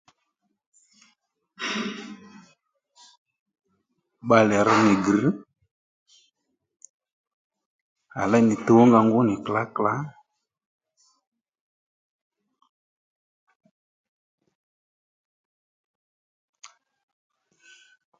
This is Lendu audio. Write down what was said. Bbalé rr nì grr̀ à léy nì tuw ónga ngú nì klǎkàklǎ